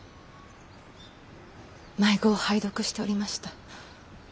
毎号拝読しておりました。